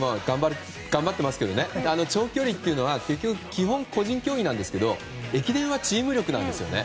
頑張ってますけど長距離というのは基本、個人競技なんですけど駅伝はチーム力なんですよね。